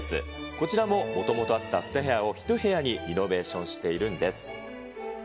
こちらももともとあった２部屋を１部屋にリノベーションしてるんです。